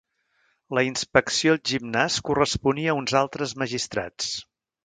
La inspecció al gimnàs corresponia a uns altres magistrats.